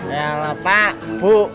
ayolah pak bu